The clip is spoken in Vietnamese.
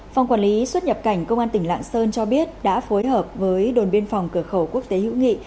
phòng quản lý xuất nhập cảnh công an tỉnh lạng sơn cho biết đã phối hợp với đồn biên phòng cửa khẩu quốc tế hữu nghị